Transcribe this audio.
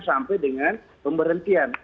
sampai dengan pemberhentian